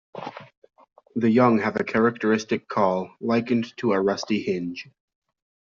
The young have a characteristic call, likened to a rusty hinge.